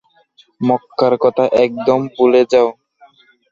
মক্কার কথা একদম ভুলে যাও।